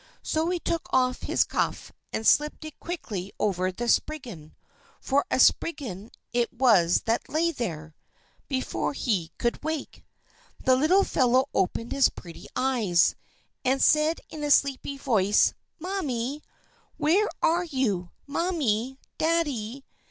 So he took off his cuff, and slipped it quickly over the Spriggan for a Spriggan it was that lay there before he could wake. The little fellow opened his pretty eyes, and said in a sleepy voice: "Mammy! Where are you? Mammy! Daddy!"